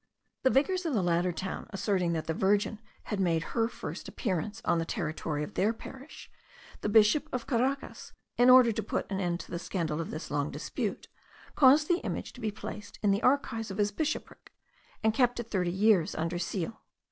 The vicars of the latter town asserting that the Virgin had made her first appearance on the territory of their parish, the Bishop of Caracas, in order to put an end to the scandal of this long dispute, caused the image to be placed in the archives of his bishopric, and kept it thirty years under seal.